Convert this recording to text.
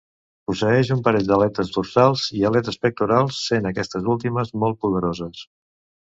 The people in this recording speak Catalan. Posseeix un parell d'aletes dorsals i aletes pectorals, sent aquestes últimes molt poderoses.